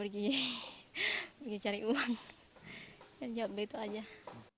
ya pergi cari uang